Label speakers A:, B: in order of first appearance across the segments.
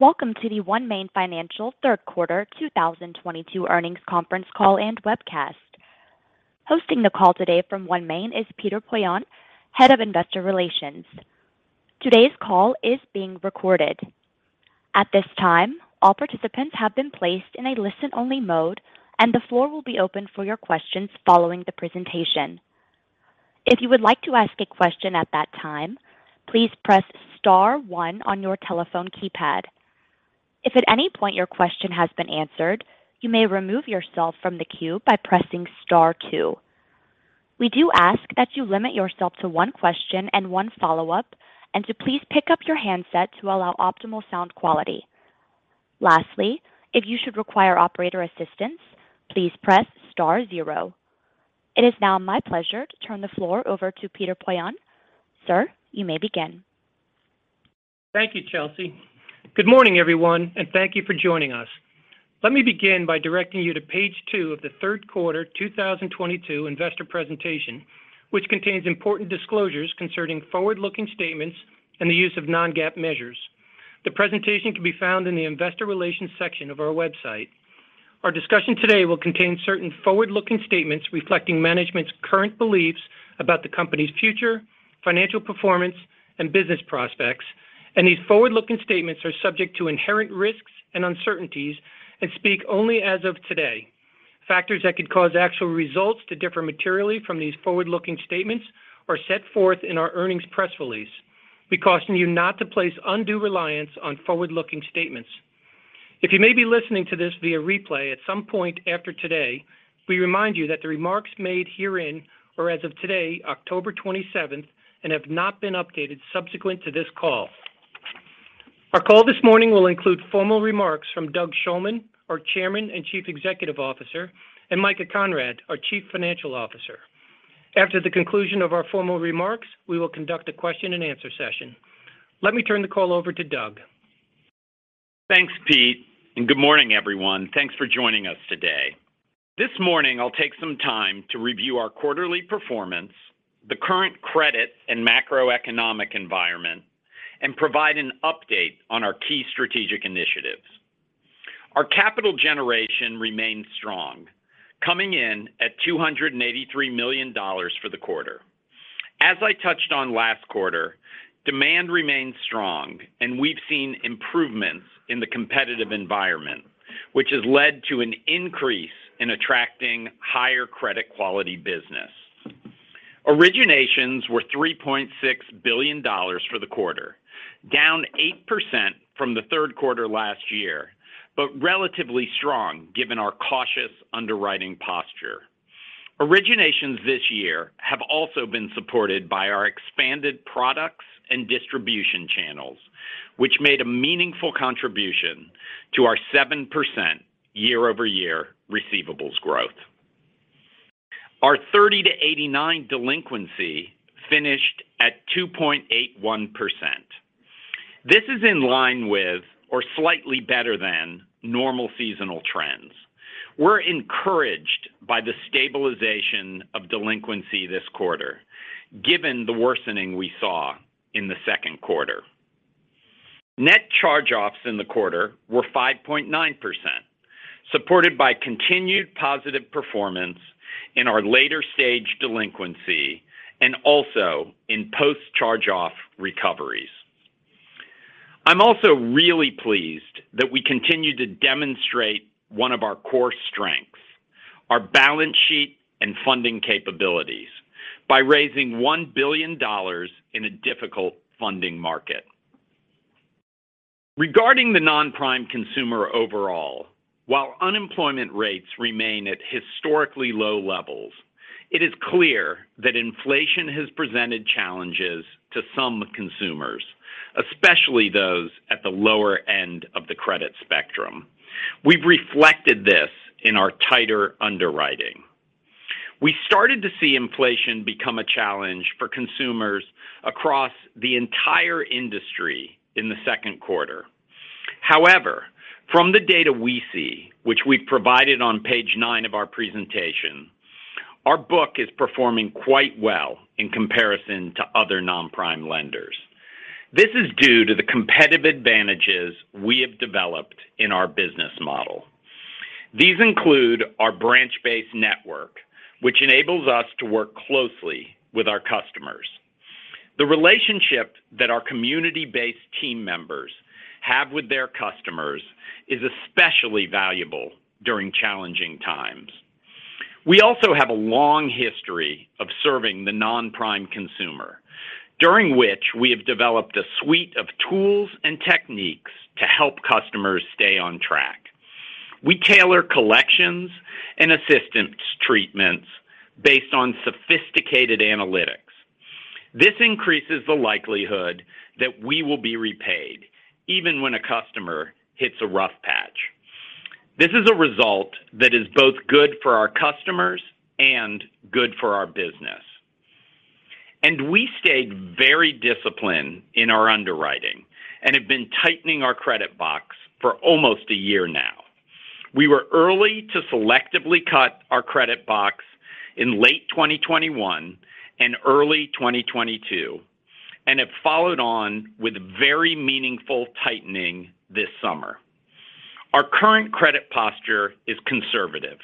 A: Welcome to the OneMain Financial Third Quarter 2022 Earnings Conference Call and Webcast. Hosting the call today from OneMain is Peter Poillon, Head of Investor Relations. Today's call is being recorded. At this time, all participants have been placed in a listen-only mode, and the floor will be open for your questions following the presentation. If you would like to ask a question at that time, please press star one on your telephone keypad. If at any point your question has been answered, you may remove yourself from the queue by pressing star two. We do ask that you limit yourself to one question and one follow-up, and to please pick up your handset to allow optimal sound quality. Lastly, if you should require operator assistance, please press star zero. It is now my pleasure to turn the floor over to Peter Poillon. Sir, you may begin.
B: Thank you, Chelsea. Good morning everyone, and thank you for joining us. Let me begin by directing you to page two of the third quarter 2022 investor presentation, which contains important disclosures concerning forward-looking statements and the use of non-GAAP measures. The presentation can be found in the investor relations section of our website. Our discussion today will contain certain forward-looking statements reflecting management's current beliefs about the company's future, financial performance, and business prospects. These forward-looking statements are subject to inherent risks and uncertainties and speak only as of today. Factors that could cause actual results to differ materially from these forward-looking statements are set forth in our earnings press release. We caution you not to place undue reliance on forward-looking statements. If you may be listening to this via replay at some point after today, we remind you that the remarks made herein are as of today, October 27th, and have not been updated subsequent to this call. Our call this morning will include formal remarks from Doug Shulman, our Chairman and Chief Executive Officer, and Micah Conrad, our Chief Financial Officer. After the conclusion of our formal remarks, we will conduct a question and answer session. Let me turn the call over to Doug.
C: Thanks, Pete, and good morning, everyone. Thanks for joining us today. This morning, I'll take some time to review our quarterly performance, the current credit and macroeconomic environment, and provide an update on our key strategic initiatives. Our capital generation remains strong, coming in at $283 million for the quarter. As I touched on last quarter, demand remains strong, and we've seen improvements in the competitive environment, which has led to an increase in attracting higher credit quality business. Originations were $3.6 billion for the quarter, down 8% from the third quarter last year, but relatively strong given our cautious underwriting posture. Originations this year have also been supported by our expanded products and distribution channels, which made a meaningful contribution to our 7% year-over-year receivables growth. Our 30-89 delinquency finished at 2.81%. This is in line with or slightly better than normal seasonal trends. We're encouraged by the stabilization of delinquency this quarter, given the worsening we saw in the second quarter. Net charge-offs in the quarter were 5.9%, supported by continued positive performance in our later-stage delinquency and also in post-charge-off recoveries. I'm also really pleased that we continue to demonstrate one of our core strengths, our balance sheet and funding capabilities by raising $1 billion in a difficult funding market. Regarding the non-prime consumer overall, while unemployment rates remain at historically low levels, it is clear that inflation has presented challenges to some consumers, especially those at the lower end of the credit spectrum. We've reflected this in our tighter underwriting. We started to see inflation become a challenge for consumers across the entire industry in the second quarter. However, from the data we see, which we've provided on page nine of our presentation, our book is performing quite well in comparison to other non-prime lenders. This is due to the competitive advantages we have developed in our business model. These include our branch-based network, which enables us to work closely with our customers. The relationship that our community-based team members have with their customers is especially valuable during challenging times. We also have a long history of serving the non-prime consumer, during which we have developed a suite of tools and techniques to help customers stay on track. We tailor collections and assistance treatments based on sophisticated analytics. This increases the likelihood that we will be repaid even when a customer hits a rough patch. This is a result that is both good for our customers and good for our business. We stayed very disciplined in our underwriting and have been tightening our credit box for almost a year now. We were early to selectively cut our credit box in late 2021 and early 2022, and have followed on with very meaningful tightening this summer. Our current credit posture is conservative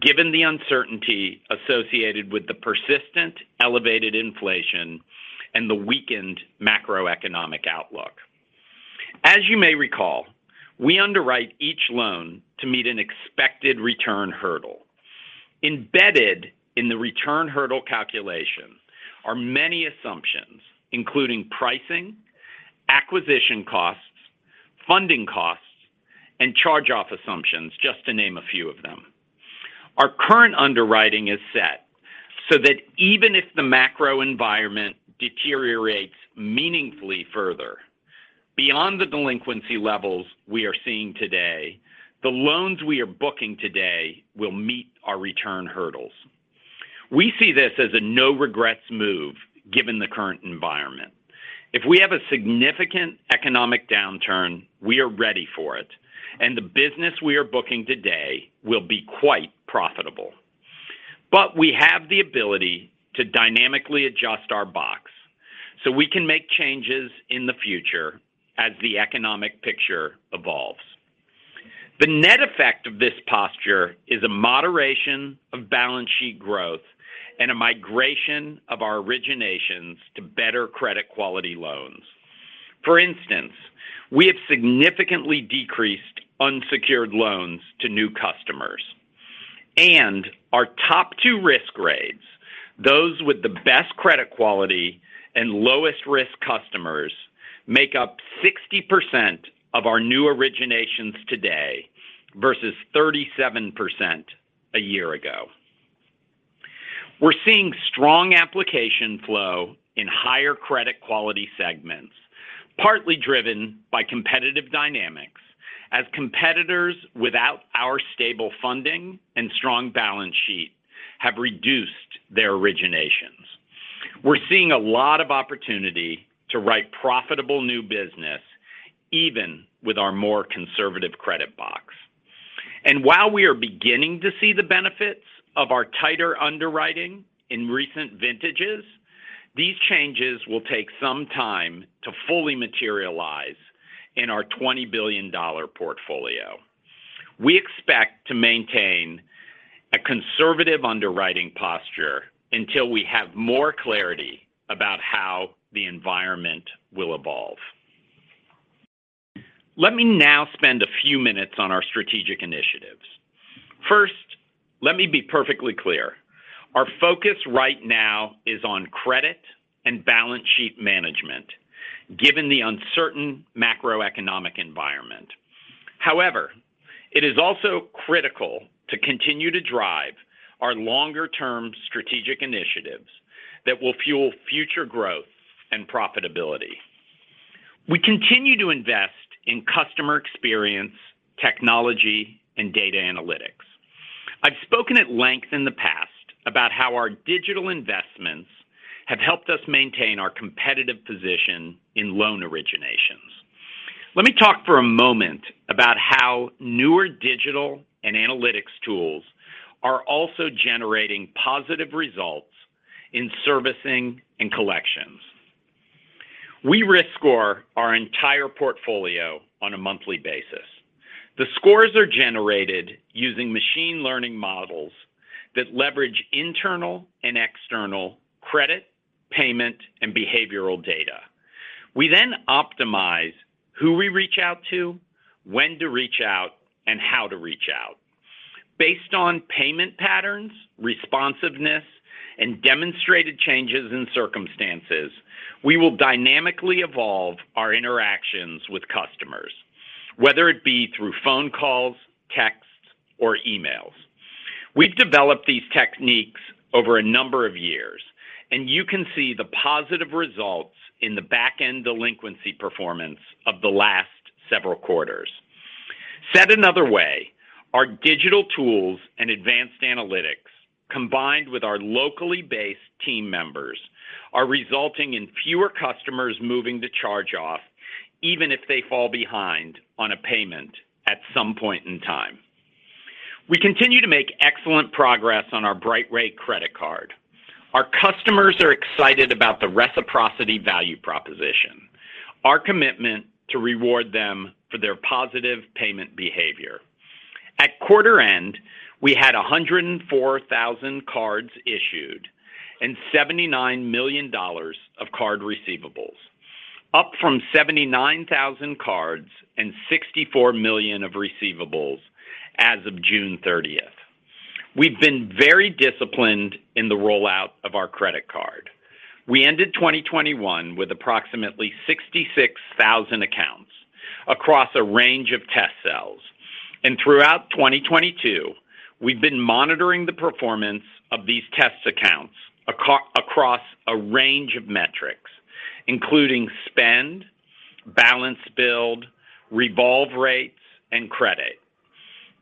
C: given the uncertainty associated with the persistent elevated inflation and the weakened macroeconomic outlook. As you may recall, we underwrite each loan to meet an expected return hurdle. Embedded in the return hurdle calculation are many assumptions, including pricing, acquisition costs, funding costs, and charge-off assumptions, just to name a few of them. Our current underwriting is set so that even if the macro environment deteriorates meaningfully further beyond the delinquency levels we are seeing today, the loans we are booking today will meet our return hurdles. We see this as a no-regrets move given the current environment. If we have a significant economic downturn, we are ready for it, and the business we are booking today will be quite profitable. We have the ability to dynamically adjust our box so we can make changes in the future as the economic picture evolves. The net effect of this posture is a moderation of balance sheet growth and a migration of our originations to better credit quality loans. For instance, we have significantly decreased unsecured loans to new customers. Our top two risk grades, those with the best credit quality and lowest-risk customers make up 60% of our new originations today versus 37% a year ago. We're seeing strong application flow in higher credit quality segments, partly driven by competitive dynamics as competitors without our stable funding and strong balance sheet have reduced their originations. We're seeing a lot of opportunity to write profitable new business even with our more conservative credit box. While we are beginning to see the benefits of our tighter underwriting in recent vintages, these changes will take some time to fully materialize in our $20 billion portfolio. We expect to maintain a conservative underwriting posture until we have more clarity about how the environment will evolve. Let me now spend a few minutes on our strategic initiatives. First, let me be perfectly clear. Our focus right now is on credit and balance sheet management given the uncertain macroeconomic environment. However, it is also critical to continue to drive our longer-term strategic initiatives that will fuel future growth and profitability. We continue to invest in customer experience, technology, and data analytics. I've spoken at length in the past about how our digital investments have helped us maintain our competitive position in loan originations. Let me talk for a moment about how newer digital and analytics tools are also generating positive results in servicing and collections. We risk score our entire portfolio on a monthly basis. The scores are generated using machine learning models that leverage internal and external credit, payment, and behavioral data. We then optimize who we reach out to, when to reach out, and how to reach out. Based on payment patterns, responsiveness, and demonstrated changes in circumstances, we will dynamically evolve our interactions with customers, whether it be through phone calls, texts, or emails. We've developed these techniques over a number of years, and you can see the positive results in the back-end delinquency performance of the last several quarters. Said another way, our digital tools and advanced analytics, combined with our locally based team members, are resulting in fewer customers moving to charge-off even if they fall behind on a payment at some point in time. We continue to make excellent progress on our BrightWay credit card. Our customers are excited about the reciprocity value proposition, our commitment to reward them for their positive payment behavior. At quarter end, we had 104,000 cards issued and $79 million of card receivables, up from 79,000 cards and $64 million of receivables as of June 30th. We've been very disciplined in the rollout of our credit card. We ended 2021 with approximately 66,000 accounts across a range of test cells. Throughout 2022, we've been monitoring the performance of these test accounts across a range of metrics, including spend, balance build, revolve rates, and credit.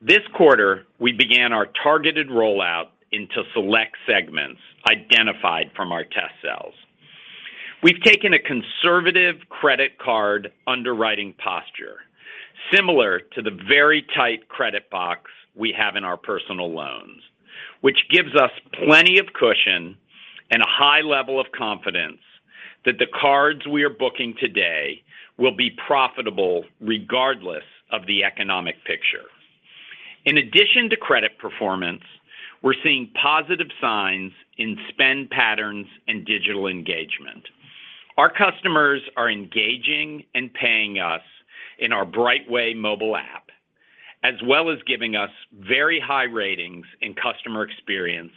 C: This quarter, we began our targeted rollout into select segments identified from our test cells. We've taken a conservative credit card underwriting posture similar to the very tight credit box we have in our Personal Loans, which gives us plenty of cushion and a high level of confidence that the cards we are booking today will be profitable regardless of the economic picture. In addition to credit performance, we're seeing positive signs in spend patterns and digital engagement. Our customers are engaging and paying us in our BrightWay mobile app, as well as giving us very high ratings in customer experience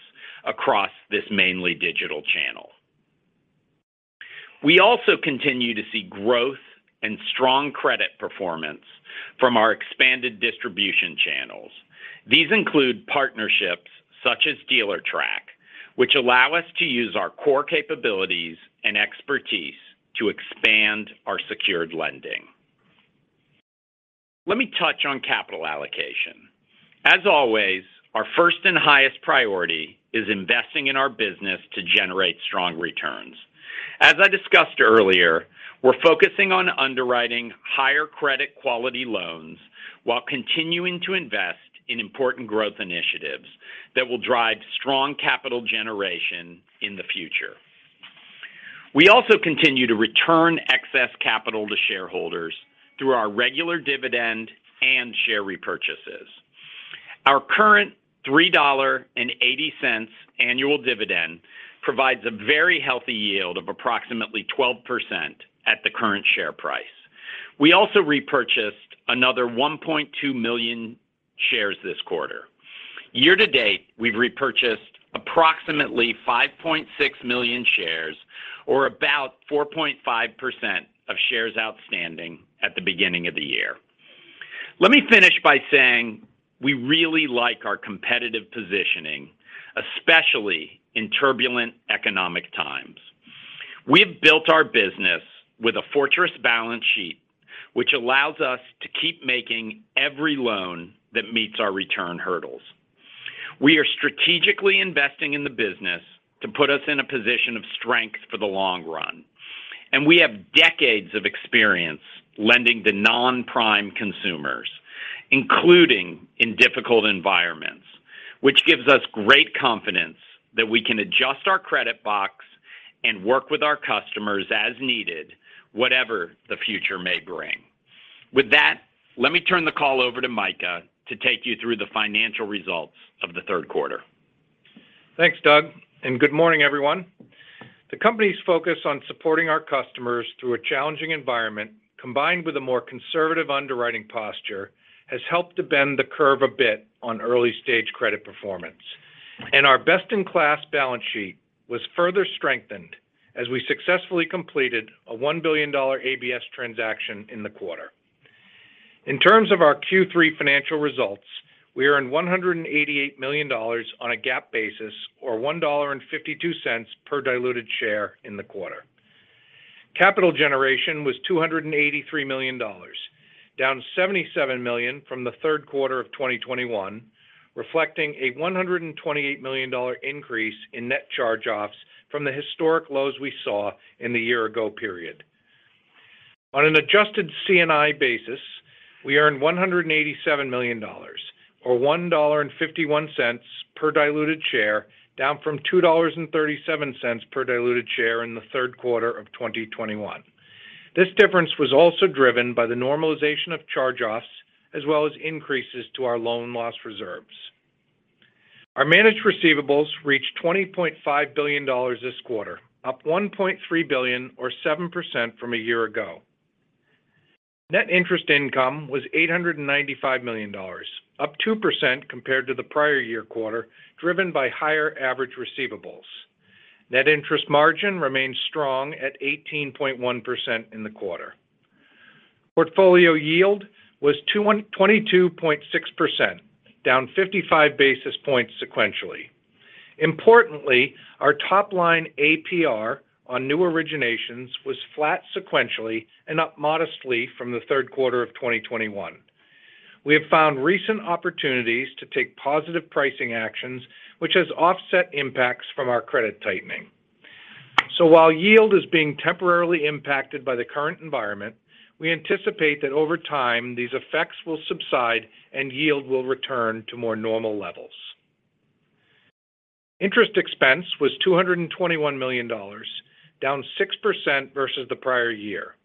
C: across this mainly digital channel. We also continue to see growth and strong credit performance from our expanded distribution channels. These include partnerships such as Dealertrack, which allow us to use our core capabilities and expertise to expand our secured lending. Let me touch on capital allocation. As always, our first and highest priority is investing in our business to generate strong returns. As I discussed earlier, we're focusing on underwriting higher credit quality loans while continuing to invest in important growth initiatives that will drive strong capital generation in the future. We also continue to return excess capital to shareholders through our regular dividend and share repurchases. Our current $3.80 annual dividend provides a very healthy yield of approximately 12% at the current share price. We also repurchased another 1.2 million shares this quarter. Year-to-date, we've repurchased approximately 5.6 million shares, or about 4.5% of shares outstanding at the beginning of the year. Let me finish by saying we really like our competitive positioning, especially in turbulent economic times. We've built our business with a fortress balance sheet which allows us to keep making every loan that meets our return hurdles. We are strategically investing in the business to put us in a position of strength for the long run. We have decades of experience lending to non-prime consumers, including in difficult environments. Which gives us great confidence that we can adjust our credit box and work with our customers as needed, whatever the future may bring. With that, let me turn the call over to Micah to take you through the financial results of the third quarter.
D: Thanks, Doug, and good morning, everyone. The company's focus on supporting our customers through a challenging environment, combined with a more conservative underwriting posture, has helped to bend the curve a bit on early-stage credit performance. Our best-in-class balance sheet was further strengthened as we successfully completed a $1 billion ABS transaction in the quarter. In terms of our Q3 financial results, we earned $188 million on a GAAP basis, or $1.52 per diluted share in the quarter. Capital generation was $283 million, down $77 million from the third quarter of 2021, reflecting a $128 million increase in net charge-offs from the historic lows we saw in the year ago period. On an adjusted CNI basis, we earned $187 million or $1.51 per diluted share, down from $2.37 per diluted share in the third quarter of 2021. This difference was also driven by the normalization of charge-offs, as well as increases to our loan loss reserves. Our managed receivables reached $20.5 billion this quarter, up $1.3 billion or 7% from a year ago. Net interest income was $895 million, up 2% compared to the prior year quarter, driven by higher average receivables. Net interest margin remains strong at 18.1% in the quarter. Portfolio yield was 22.6% down 55 basis points sequentially. Importantly, our top line APR on new originations was flat sequentially and up modestly from the third quarter of 2021. We have found recent opportunities to take positive pricing actions, which has offset impacts from our credit tightening. While yield is being temporarily impacted by the current environment, we anticipate that over time, these effects will subside and yield will return to more normal levels. Interest expense was $221 million, down 6% versus the prior year.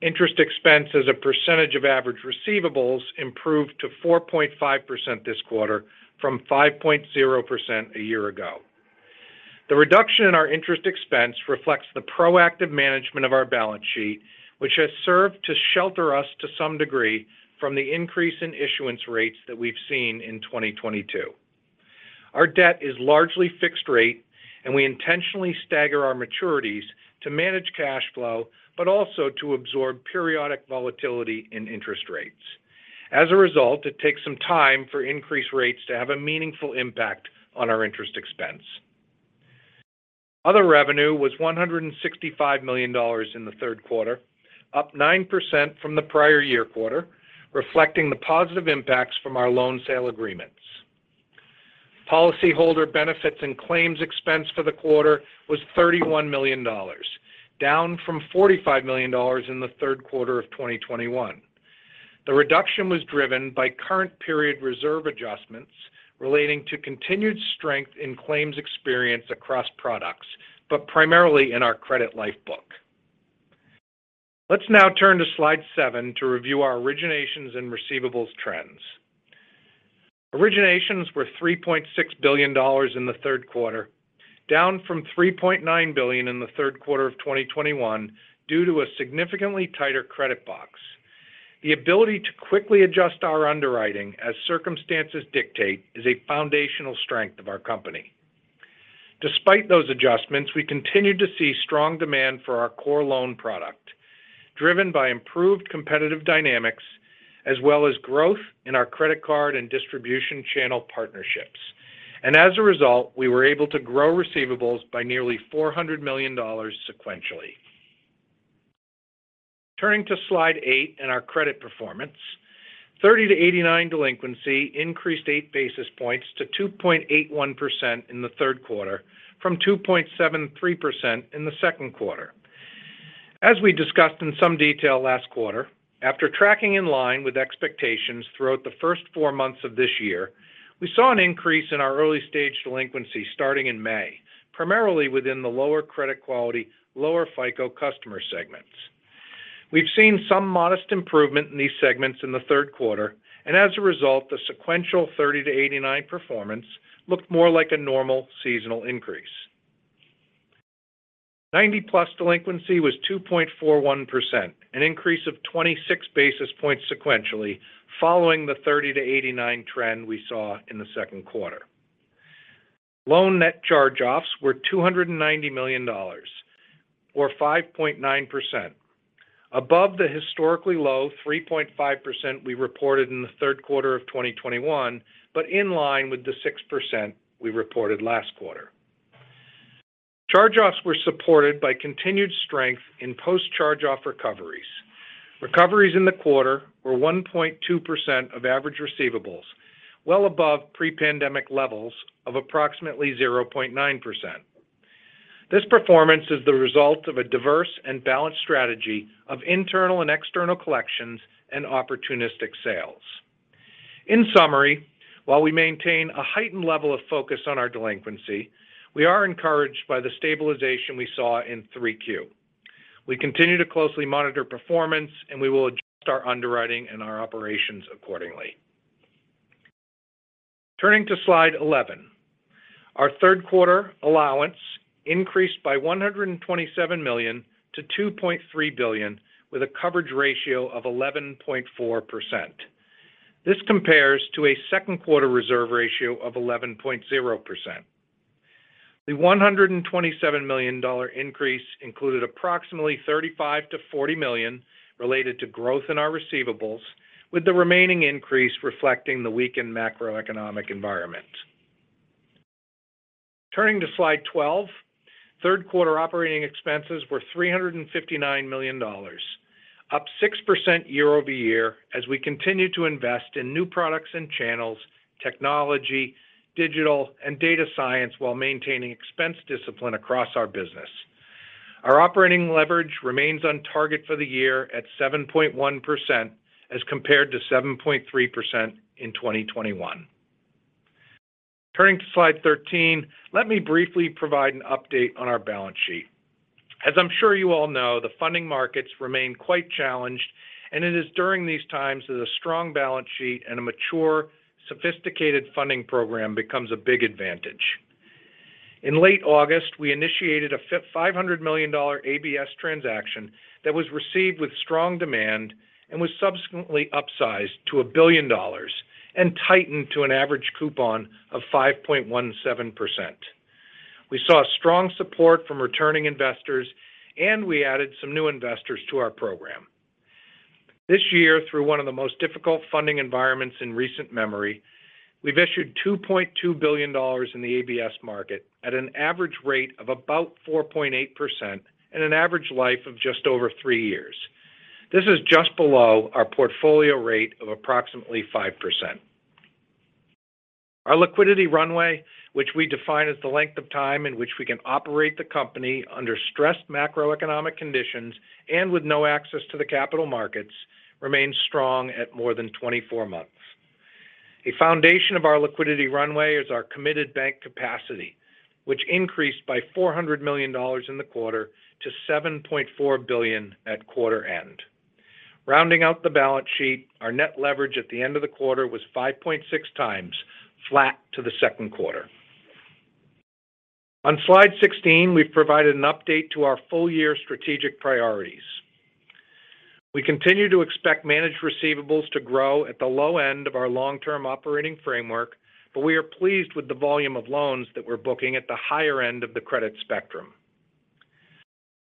D: Interest expense as a percentage of average receivables improved to 4.5% this quarter from 5.0% a year ago. The reduction in our interest expense reflects the proactive management of our balance sheet which has served to shelter us to some degree from the increase in issuance rates that we've seen in 2022. Our debt is largely fixed rate, and we intentionally stagger our maturities to manage cash flow, but also to absorb periodic volatility in interest rates. As a result, it takes some time for increased rates to have a meaningful impact on our interest expense. Other revenue was $165 million in the third quarter, up 9% from the prior year quarter, reflecting the positive impacts from our loan sale agreements. Policyholder benefits and claims expense for the quarter was $31 million, down from $45 million in the third quarter of 2022. The reduction was driven by current period reserve adjustments relating to continued strength in claims experience across products, but primarily in our credit life book. Let's now turn to slide seven to review our originations and receivables trends. Originations were $3.6 billion in the third quarter, down from $3.9 billion in the third quarter of 2021 due to a significantly tighter credit box. The ability to quickly adjust our underwriting as circumstances dictate is a foundational strength of our company. Despite those adjustments, we continued to see strong demand for our core loan product, driven by improved competitive dynamics as well as growth in our credit card and distribution channel partnerships. As a result, we were able to grow receivables by nearly $400 million sequentially. Turning to slide eight and our credit performance. 30-89 delinquency increased eight basis points to 2.81% in the third quarter from 2.73% in the second quarter. As we discussed in some detail last quarter, after tracking in line with expectations throughout the first four months of this year, we saw an increase in our early-stage delinquency starting in May, primarily within the lower credit quality, lower FICO customer segments. We've seen some modest improvement in these segments in the third quarter, and as a result, the sequential 30-89 performance looked more like a normal seasonal increase. 90+ delinquency was 2.41%, an increase of 26 basis points sequentially following the 30-89 trend we saw in the second quarter. Loan net charge-offs were $290 million or 5.9%, above the historically low 3.5% we reported in the third quarter of 2021, but in line with the 6% we reported last quarter. Charge-offs were supported by continued strength in post-charge-off recoveries. Recoveries in the quarter were 1.2% of average receivables, well above pre-pandemic levels of approximately 0.9%. This performance is the result of a diverse and balanced strategy of internal and external collections and opportunistic sales. In summary, while we maintain a heightened level of focus on our delinquency, we are encouraged by the stabilization we saw in 3Q. We continue to closely monitor performance, and we will adjust our underwriting and our operations accordingly. Turning to slide 11. Our third quarter allowance increased by $127 million to $2.3 billion with a coverage ratio of 11.4%. This compares to a second-quarter reserve ratio of 11.0%. The $127 million increase included approximately $35 million-$40 million related to growth in our receivables, with the remaining increase reflecting the weakened macroeconomic environment. Turning to slide 12. Third quarter operating expenses were $359 million, up 6% year-over-year as we continue to invest in new products and channels, technology, digital, and data science while maintaining expense discipline across our business. Our operating leverage remains on target for the year at 7.1% as compared to 7.3% in 2021. Turning to slide 13. Let me briefly provide an update on our balance sheet. As I'm sure you all know, the funding markets remain quite challenged, and it is during these times that a strong balance sheet and a mature, sophisticated funding program becomes a big advantage. In late August, we initiated a $500 million ABS transaction that was received with strong demand and was subsequently upsized to $1 billion and tightened to an average coupon of 5.17%. We saw strong support from returning investors, and we added some new investors to our program. This year, through one of the most difficult funding environments in recent memory, we've issued $2.2 billion in the ABS market at an average rate of about 4.8% and an average life of just over three years. This is just below our portfolio rate of approximately 5%. Our liquidity runway, which we define as the length of time in which we can operate the company under stressed macroeconomic conditions and with no access to the capital markets, remains strong at more than 24 months. A foundation of our liquidity runway is our committed bank capacity, which increased by $400 million in the quarter to $7.4 billion at quarter end. Rounding out the balance sheet, our net leverage at the end of the quarter was 5.6x flat to the second quarter. On slide 16, we've provided an update to our full-year strategic priorities. We continue to expect managed receivables to grow at the low end of our long-term operating framework, but we are pleased with the volume of loans that we're booking at the higher end of the credit spectrum.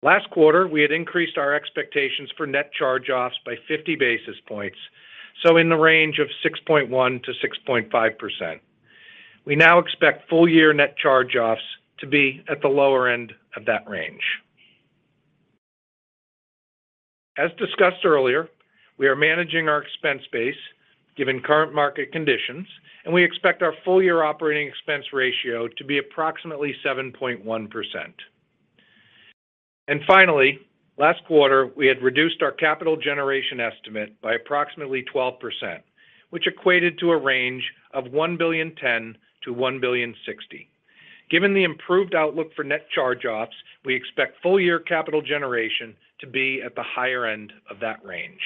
D: Last quarter, we had increased our expectations for net charge-offs by 50 basis points, so in the range of 6.1%-6.5%. We now expect full-year net charge-offs to be at the lower end of that range. As discussed earlier, we are managing our expense base given current market conditions, and we expect our full-year operating expense ratio to be approximately 7.1%. Finally, last quarter, we had reduced our capital generation estimate by approximately 12%, which equated to a range of $1.010 billion-$1.060 billion. Given the improved outlook for net charge-offs, we expect full-year capital generation to be at the higher end of that range.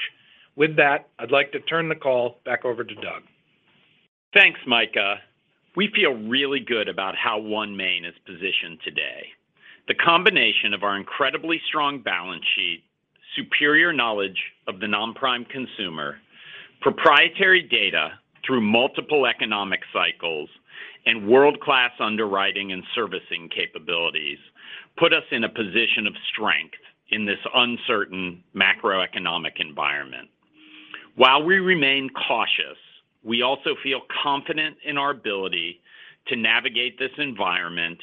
D: With that, I'd like to turn the call back over to Doug.
C: Thanks, Micah. We feel really good about how OneMain is positioned today. The combination of our incredibly strong balance sheet, superior knowledge of the non-prime consumer, proprietary data through multiple economic cycles, and world-class underwriting and servicing capabilities put us in a position of strength in this uncertain macroeconomic environment. While we remain cautious, we also feel confident in our ability to navigate this environment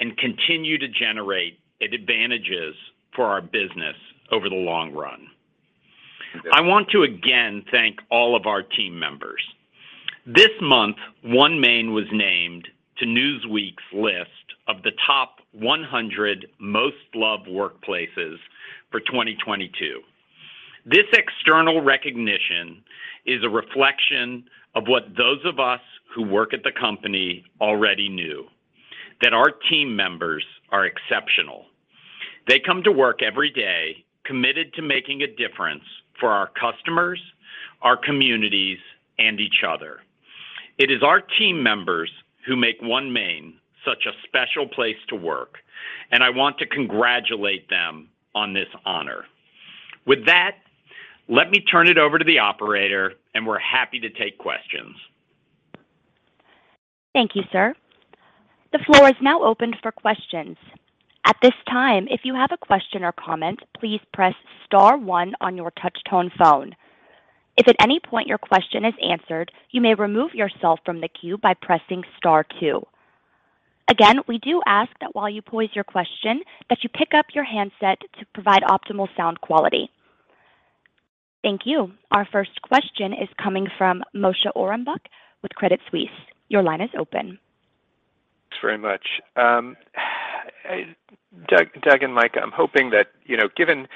C: and continue to generate advantages for our business over the long run. I want to again thank all of our team members. This month, OneMain was named to Newsweek's list of the top one hundred most loved workplaces for 2022. This external recognition is a reflection of what those of us who work at the company already knew, that our team members are exceptional. They come to work every day committed to making a difference for our customers, our communities, and each other. It is our team members who make OneMain such a special place to work, and I want to congratulate them on this honor. With that, let me turn it over to the operator, and we're happy to take questions.
A: Thank you, sir. The floor is now open for questions. At this time, if you have a question or comment, please press star one on your touch-tone phone. If at any point your question is answered, you may remove yourself from the queue by pressing star two. Again, we do ask that while you pose your question that you pick up your handset to provide optimal sound quality. Thank you. Our first question is coming from Moshe Orenbuch with Credit Suisse. Your line is open.
E: Thanks very much. Doug and Micah, I'm hoping that, you know, given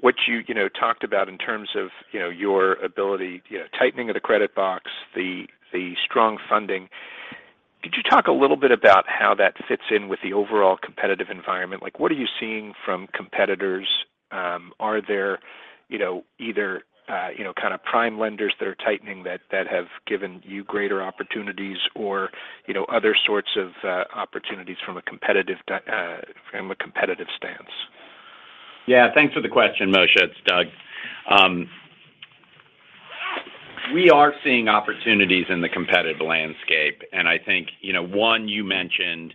E: what you know, talked about in terms of, you know, your ability, you know, tightening of the credit box, the strong funding. Could you talk a little bit about how that fits in with the overall competitive environment? Like, what are you seeing from competitors? Are there, you know, either, you know, kind of prime lenders that are tightening that have given you greater opportunities or, you know, other sorts of opportunities from a competitive stance?
C: Yeah, thanks for the question, Moshe. It's Doug. We are seeing opportunities in the competitive landscape, and I think, you know, one you mentioned,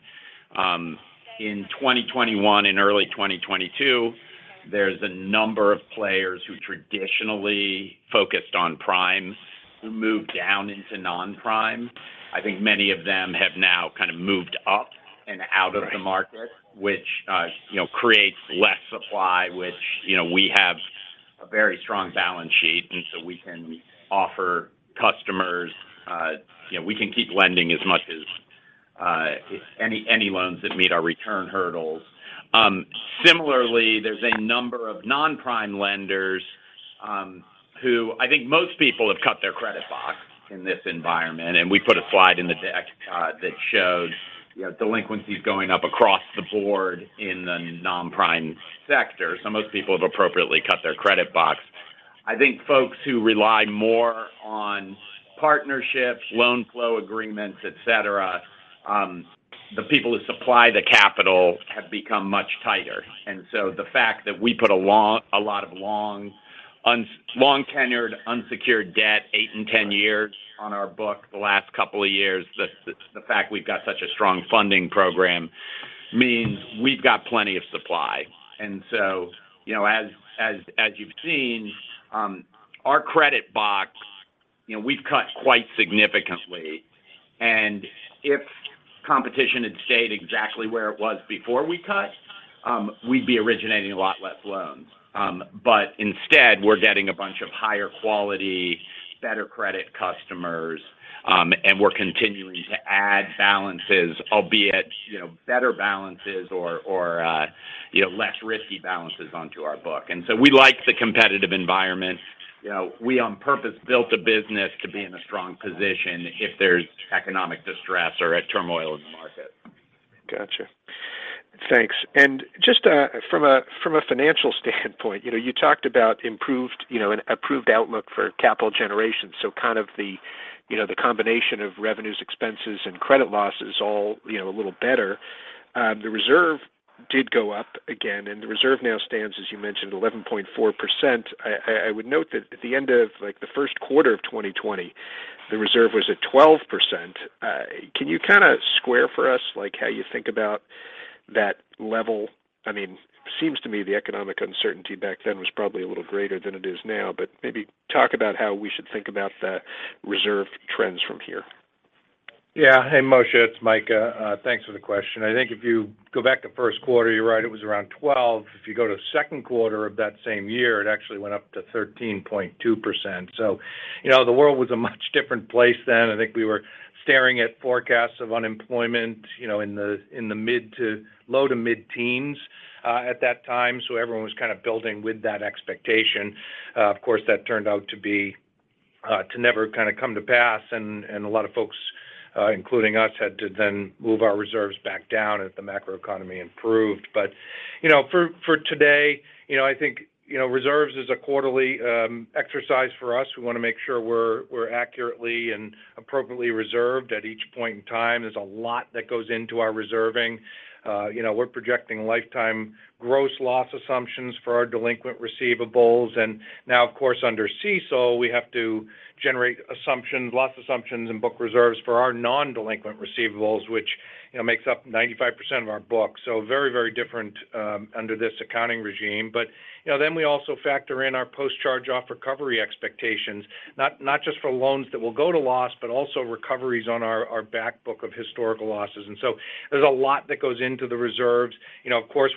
C: in 2021 and early 2022, there's a number of players who traditionally focused on primes who moved down into non-prime. I think many of them have now kind of moved up and out of the market, which, you know, creates less supply, which, you know, we have a very strong balance sheet, and so we can offer customers, you know, we can keep lending as much as any loans that meet our return hurdles. Similarly, there's a number of non-prime lenders, who I think most people have cut their credit box in this environment. We put a slide in the deck that shows, you know, delinquencies going up across the board in the non-prime sector. Most people have appropriately cut their credit box. I think folks who rely more on partnerships, loan flow agreements, et cetera, the people who supply the capital have become much tighter. The fact that we put a lot of long-tenured unsecured debt, 8 and 10 years on our book the last couple of years, the fact we've got such a strong funding program means we've got plenty of supply. You know, as you've seen, our credit box, you know, we've cut quite significantly. If competition had stayed exactly where it was before we cut, we'd be originating a lot less loans. Instead, we're getting a bunch of higher quality, better credit customers, and we're continuing to add balances, albeit, you know, better balances or, you know, less risky balances onto our book. We like the competitive environment. You know, we on purpose built a business to be in a strong position if there's economic distress or a turmoil in the market.
E: Gotcha. Thanks. Just, from a financial standpoint, you know, you talked about improved, you know, an improved outlook for capital generation. Kind of the, you know, the combination of revenues, expenses, and credit losses all, you know, a little better. The reserve did go up again, and the reserve now stands, as you mentioned, 11.4%. I would note that at the end of like the first quarter of 2020, the reserve was at 12%. Can you kind of square for us like how you think about that level? I mean, seems to me the economic uncertainty back then was probably a little greater than it is now. Maybe talk about how we should think about the reserve trends from here.
D: Yeah. Hey, Moshe, it's Mike. Thanks for the question. I think if you go back to first quarter, you're right, it was around 12%. If you go to second quarter of that same year, it actually went up to 13.2%. You know, the world was a much different place then. I think we were staring at forecasts of unemployment, you know, in the low- to mid-teens%, at that time. Everyone was kind of building with that expectation. Of course, that turned out to never kind of come to pass, and a lot of folks, including us, had to then move our reserves back down as the macro economy improved. You know, for today, you know, I think, you know, reserves is a quarterly exercise for us. We want to make sure we're accurately and appropriately reserved at each point in time. There's a lot that goes into our reserving. You know, we're projecting lifetime gross loss assumptions for our delinquent receivables. Now, of course, under CECL, we have to generate assumptions, loss assumptions, and book reserves for our non-delinquent receivables, which, you know, makes up 95% of our book. Very, very different under this accounting regime. You know, then we also factor in our post-charge-off recovery expectations, not just for loans that will go to loss, but also recoveries on our back book of historical losses. There's a lot that goes into the reserves. You know, of course,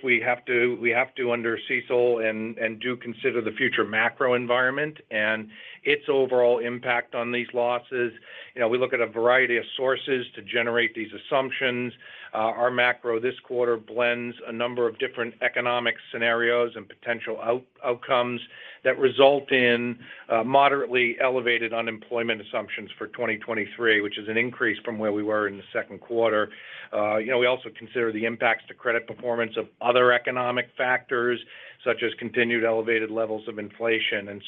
D: we have to under CECL and do consider the future macro environment and its overall impact on these losses. You know, we look at a variety of sources to generate these assumptions. Our macro this quarter blends a number of different economic scenarios and potential outcomes that result in moderately elevated unemployment assumptions for 2023, which is an increase from where we were in the second quarter. You know, we also consider the impacts to credit performance of other economic factors, such as continued elevated levels of inflation.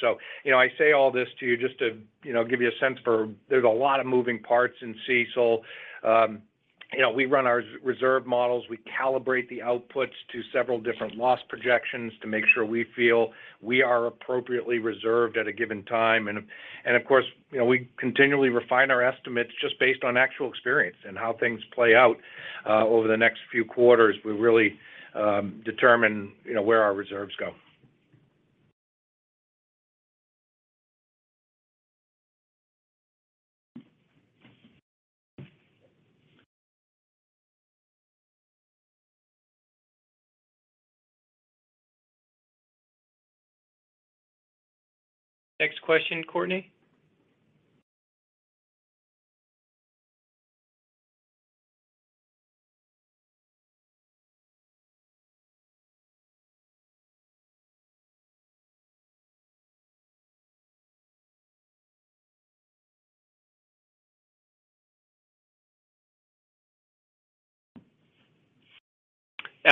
D: You know, I say all this to you just to, you know, give you a sense that there's a lot of moving parts in CECL. You know, we run our reserve models. We calibrate the outputs to several different loss projections to make sure we feel we are appropriately reserved at a given time. Of course, you know, we continually refine our estimates just based on actual experience and how things play out over the next few quarters. We really determine, you know, where our reserves go. Next question, Courtney.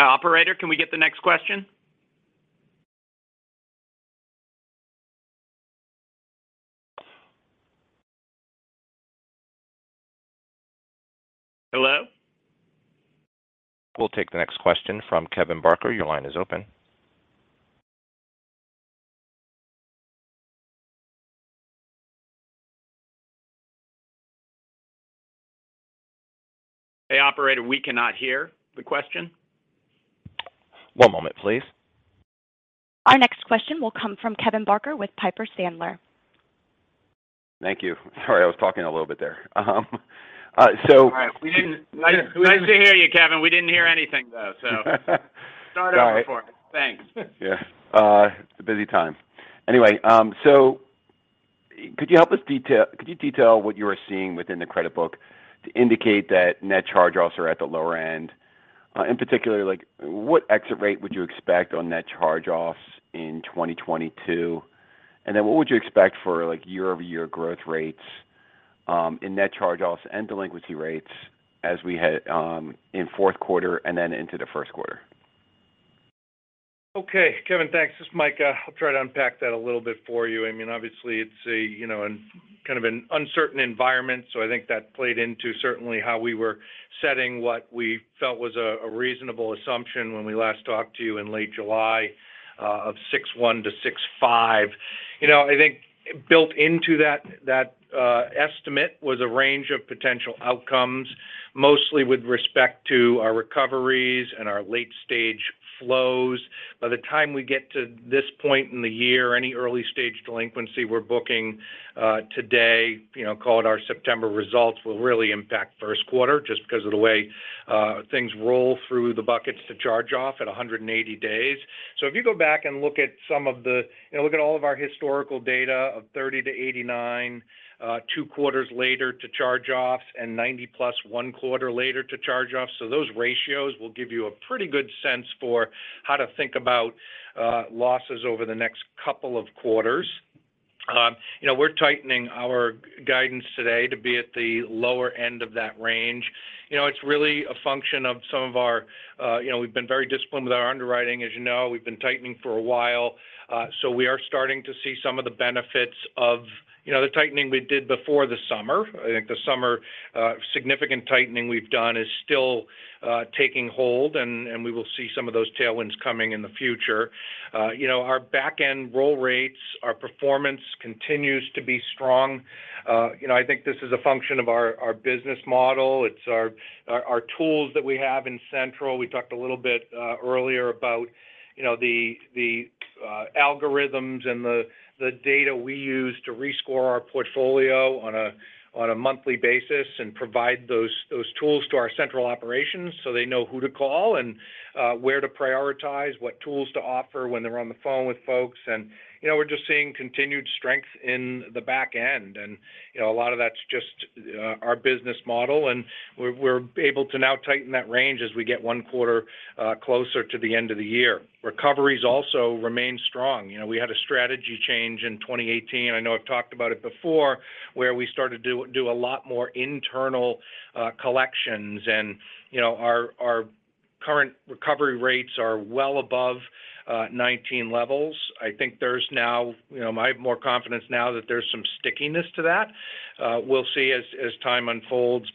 D: Operator, can we get the next question? Hello?
A: We'll take the next question from Kevin Barker. Your line is open.
D: Hey, operator, we cannot hear the question.
A: One moment, please. Our next question will come from Kevin Barker with Piper Sandler.
F: Thank you. Sorry, I was talking a little bit there.
D: All right. Nice to hear you, Kevin. We didn't hear anything, though.
F: Sorry.
D: Start over for me. Thanks.
F: Yeah. It's a busy time. Anyway, so could you detail what you are seeing within the credit book to indicate that net charge-offs are at the lower end? In particular, like, what exit rate would you expect on net charge-offs in 2022? What would you expect for, like, year-over-year growth rates in net charge-offs and delinquency rates as we head in fourth quarter and then into the first quarter?
D: Okay, Kevin. Thanks. This is Mike. I'll try to unpack that a little bit for you. I mean, obviously, it's a, you know, kind of an uncertain environment. I think that played into certainly how we were setting what we felt was a reasonable assumption when we last talked to you in late July of 6.1%-6.5%. You know, I think built into that estimate was a range of potential outcomes, mostly with respect to our recoveries and our late-stage flows. By the time we get to this point in the year, any early-stage delinquency we're booking today, you know, call it our September results, will really impact first quarter just because of the way things roll through the buckets to charge off at 180 days. If you go back and look at all of our historical data of 30-89, two quarters later to charge-offs and 90+ one quarter later to charge-offs. Those ratios will give you a pretty good sense for how to think about losses over the next couple of quarters. You know, we're tightening our guidance today to be at the lower end of that range. You know, it's really a function of some of our. You know, we've been very disciplined with our underwriting. As you know, we've been tightening for a while. So we are starting to see some of the benefits of you know, the tightening we did before the summer. I think this summer's significant tightening we've done is still taking hold, and we will see some of those tailwinds coming in the future. You know, our back end roll rates, our performance continues to be strong. You know, I think this is a function of our business model. It's our tools that we have in central. We talked a little bit earlier about, you know, the algorithms and the data we use to rescore our portfolio on a monthly basis and provide those tools to our central operations so they know who to call and where to prioritize, what tools to offer when they're on the phone with folks. You know, we're just seeing continued strength in the back end. You know, a lot of that's just our business model. We're able to now tighten that range as we get one quarter closer to the end of the year. Recoveries also remain strong. You know, we had a strategy change in 2018. I know I've talked about it before, where we started to do a lot more internal collections. You know, our current recovery rates are well above 2019 levels. I think there's now, you know, I have more confidence now that there's some stickiness to that. We'll see as time unfolds.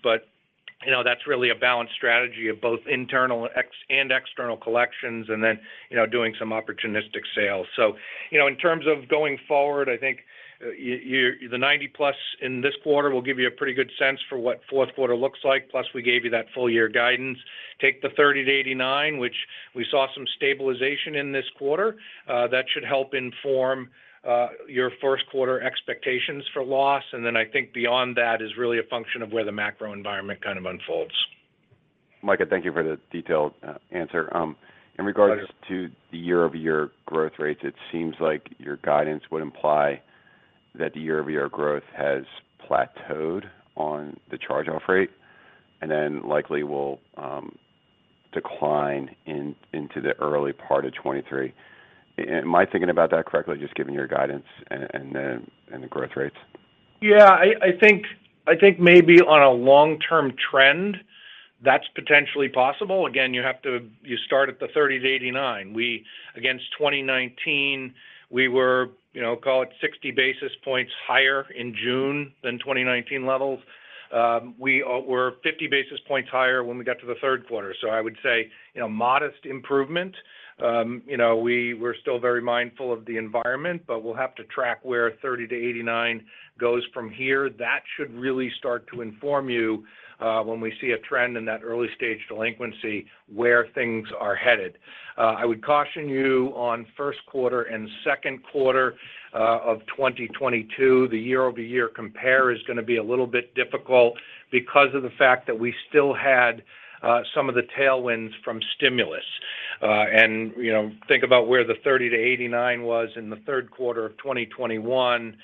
D: You know, that's really a balanced strategy of both internal and external collections and then, you know, doing some opportunistic sales. You know, in terms of going forward, I think the 90+ in this quarter will give you a pretty good sense for what fourth quarter looks like. Plus, we gave you that full year guidance. Take the 30-89, which we saw some stabilization in this quarter, that should help inform your first quarter expectations for loss. Then I think beyond that is really a function of where the macro environment kind of unfolds.
F: Mike, I thank you for the detailed answer. In regards-
D: Pleasure
F: to the year-over-year growth rates, it seems like your guidance would imply that the year-over-year growth has plateaued on the charge-off rate and then likely will decline into the early part of 2023. Am I thinking about that correctly, just given your guidance and the growth rates?
D: Yeah. I think maybe on a long-term trend, that's potentially possible. Again, you start at the 30-89. Against 2019, we were, you know, call it 60 basis points higher in June than 2019 levels. We were 50 basis points higher when we got to the third quarter. I would say, you know, modest improvement. You know, we were still very mindful of the environment, but we'll have to track where 30-89 goes from here. That should really start to inform you when we see a trend in that early-stage delinquency, where things are headed. I would caution you on first quarter and second quarter of 2022. The year-over-year compare is gonna be a little bit difficult because of the fact that we still had some of the tailwinds from stimulus. You know, think about where the 30-89 was in the third quarter of 2021.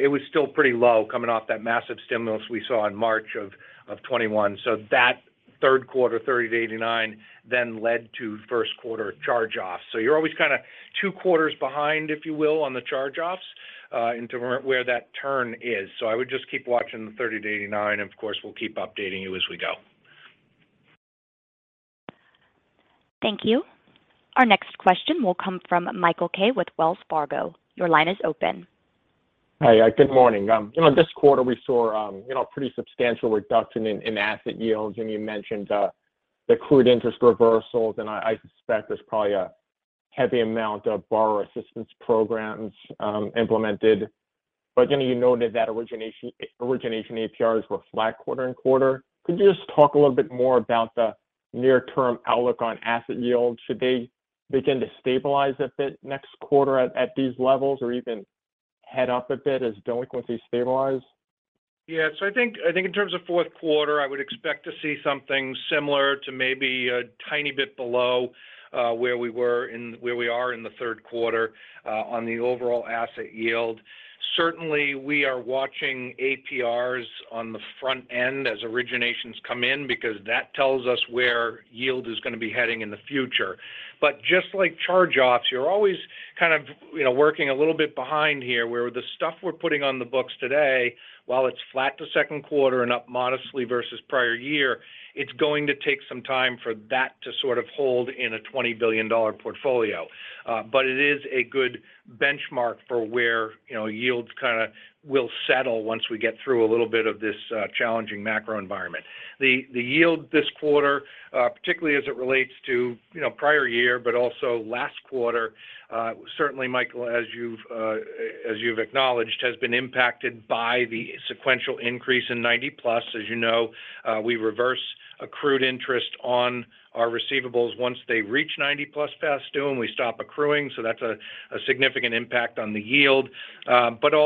D: It was still pretty low coming off that massive stimulus we saw in March of 2021. That third quarter 30-89 then led to first quarter charge-offs. You're always kind of two quarters behind, if you will, on the charge-offs in terms of where that turn is. I would just keep watching the 30-89 and, of course, we'll keep updating you as we go.
A: Thank you. Our next question will come fromMichael Kaye with Wells Fargo. Your line is open.
G: Hi. Good morning. You know, this quarter we saw pretty substantial reduction in asset yields. You mentioned the accrued interest reversals. I suspect there's probably a heavy amount of borrower assistance programs implemented. You know, you noted that origination APRs were flat quarter and quarter. Could you just talk a little bit more about the near-term outlook on asset yield? Should they begin to stabilize a bit next quarter at these levels or even head up a bit as delinquencies stabilize?
D: Yeah. I think in terms of fourth quarter, I would expect to see something similar to maybe a tiny bit below where we are in the third quarter on the overall asset yield. Certainly, we are watching APRs on the front end as originations come in because that tells us where yield is gonna be heading in the future. But just like charge-offs, you're always kind of, you know, working a little bit behind here, where the stuff we're putting on the books today, while it's flat to second quarter and up modestly versus prior year, it's going to take some time for that to sort of hold in a $20 billion portfolio. It is a good benchmark for where, you know, yields kind of will settle once we get through a little bit of this challenging macro environment. The yield this quarter, particularly as it relates to, you know, prior year, but also last quarter, certainly, Mihir, as you've acknowledged, has been impacted by the sequential increase in 90+. As you know, we reverse accrued interest on our receivables once they reach 90+ past due, and we stop accruing. So that's a significant impact on the yield.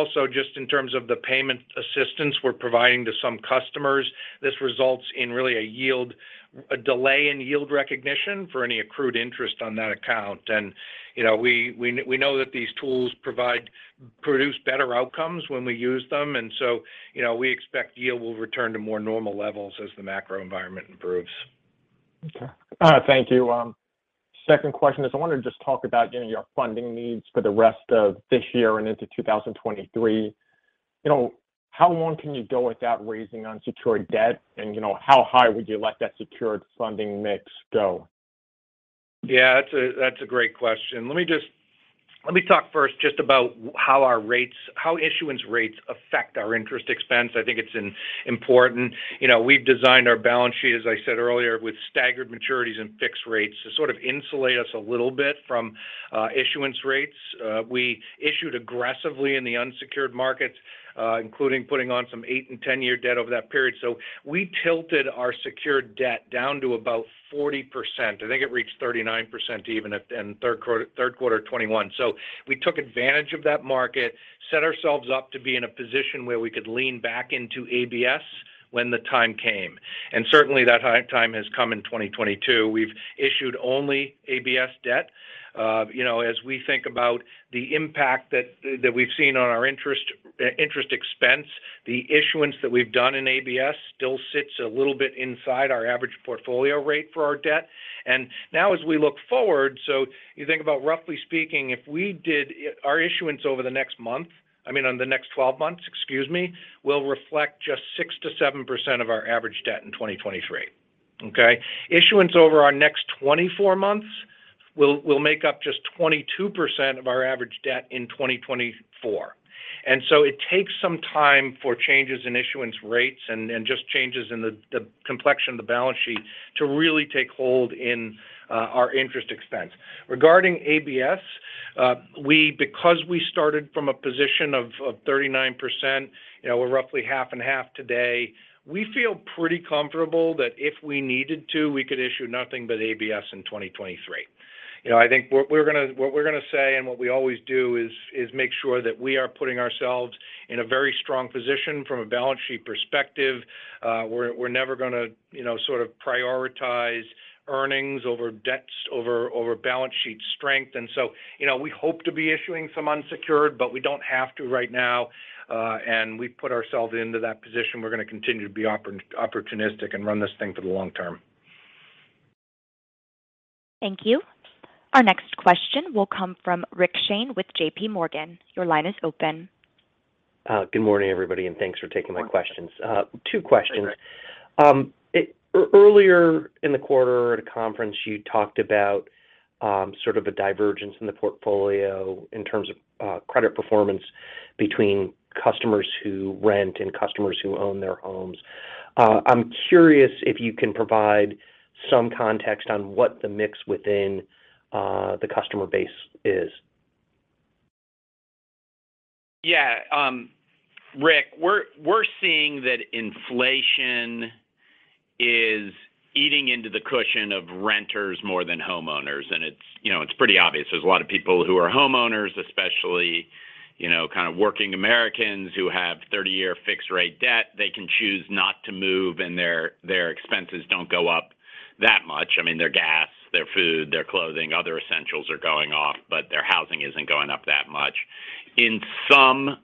D: Also just in terms of the payment assistance we're providing to some customers. This results in really a delay in yield recognition for any accrued interest on that account. You know, we know that these tools produce better outcomes when we use them, and so, you know, we expect yield will return to more normal levels as the macro environment improves.
H: Okay. Thank you. Second question is, I wanted to just talk about, you know, your funding needs for the rest of this year and into 2023. You know, how long can you go without raising unsecured debt? And, you know, how high would you let that secured funding mix go?
D: Yeah, that's a great question. Let me talk first just about how our rates, how issuance rates affect our interest expense. I think it's important. You know, we've designed our balance sheet, as I said earlier, with staggered maturities and fixed rates to sort of insulate us a little bit from issuance rates. We issued aggressively in the unsecured market, including putting on some 8 and 10 year debt over that period. So we tilted our secured debt down to about 40%. I think it reached 39% even in third quarter of 2021. So we took advantage of that market, set ourselves up to be in a position where we could lean back into ABS when the time came. Certainly that time has come in 2022. We've issued only ABS debt. You know, as we think about the impact that we've seen on our interest expense, the issuance that we've done in ABS still sits a little bit inside our average portfolio rate for our debt. Now as we look forward, you think about roughly speaking, our issuance over the next month, I mean, over the next 12 months, excuse me, will reflect just 6%-7% of our average debt in 2023. Okay? Issuance over our next 24 months will make up just 22% of our average debt in 2024. It takes some time for changes in issuance rates and just changes in the complexion of the balance sheet to really take hold in our interest expense. Regarding ABS, because we started from a position of 39%, you know, we're roughly half and half today, we feel pretty comfortable that if we needed to, we could issue nothing but ABS in 2023. You know, I think what we're gonna say and what we always do is make sure that we are putting ourselves in a very strong position from a balance sheet perspective. We're never gonna, you know, sort of prioritize earnings over debt, over balance sheet strength. You know, we hope to be issuing some unsecured, but we don't have to right now. We put ourselves into that position. We're gonna continue to be opportunistic and run this thing for the long term.
A: Thank you. Our next question will come from Rick Shane with JP Morgan. Your line is open.
I: Good morning, everybody, and thanks for taking my questions. Two questions. Earlier in the quarter at a conference, you talked about sort of a divergence in the portfolio in terms of credit performance between customers who rent and customers who own their homes. I'm curious if you can provide some context on what the mix within the customer base is.
C: Yeah. Rick, we're seeing that inflation is eating into the cushion of renters more than homeowners. It's, you know, it's pretty obvious. There's a lot of people who are homeowners, especially, you know, kind of working Americans who have 30-year fixed rate debt. They can choose not to move, and their expenses don't go up that much. I mean, their gas, their food, their clothing, other essentials are going up, but their housing isn't going up that much. In some,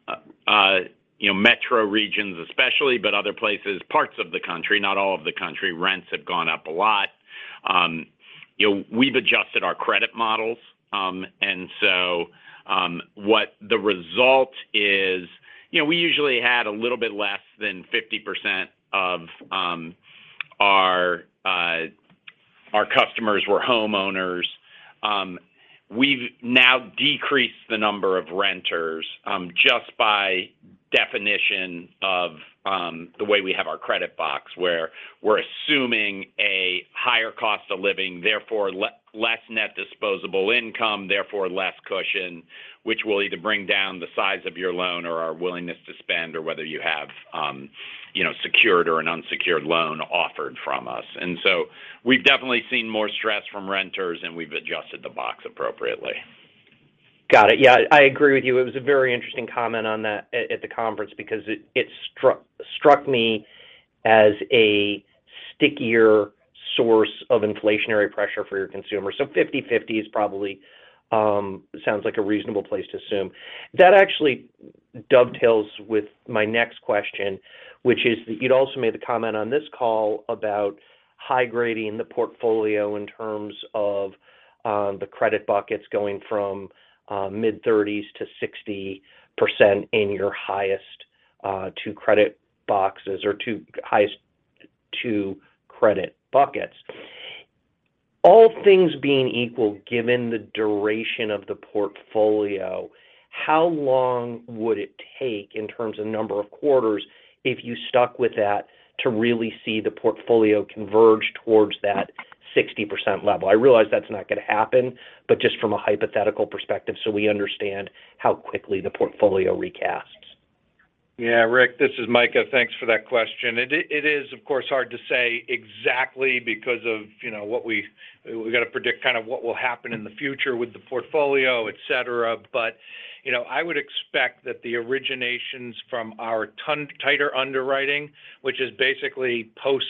C: you know, metro regions especially, but other places, parts of the country, not all of the country, rents have gone up a lot. You know, we've adjusted our credit models. What the result is, you know, we usually had a little bit less than 50% of our customers were homeowners. We've now decreased the number of renters, just by definition of the way we have our credit box. Where we're assuming a higher cost of living, therefore less net disposable income, therefore less cushion, which will either bring down the size of your loan or our willingness to spend or whether you have, you know, secured or an unsecured loan offered from us. We've definitely seen more stress from renters, and we've adjusted the box appropriately.
I: Got it. Yeah. I agree with you. It was a very interesting comment on that at the conference because it struck me as a stickier source of inflationary pressure for your consumers. 50-50 is probably, sounds like, a reasonable place to assume. That actually dovetails with my next question, which is you'd also made the comment on this call about high grading the portfolio in terms of the credit buckets going from mid-30s to 60% in your highest two credit boxes or two highest credit buckets. All things being equal, given the duration of the portfolio, how long would it take in terms of number of quarters if you stuck with that to really see the portfolio converge towards that 60% level? I realize that's not going to happen, but just from a hypothetical perspective, so we understand how quickly the portfolio recasts.
D: Yeah. Rick, this is Micah. Thanks for that question. It is of course hard to say exactly because of, you know, what we've got to predict kind of what will happen in the future with the portfolio, et cetera. You know, I would expect that the originations from our toned-tighter underwriting, which is basically post